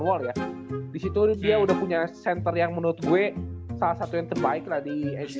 wall ya di situ dia udah punya center yang menurut gue salah satu yang terbaik tadi